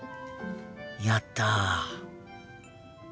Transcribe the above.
やった。